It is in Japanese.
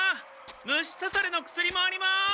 虫さされの薬もあります！